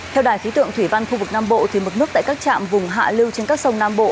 theo đài khí tượng thủy văn khu vực nam bộ mực nước tại các trạm vùng hạ lưu trên các sông nam bộ